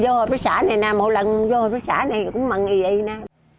một lần vô hộp xã này cũng mặn gì gì nè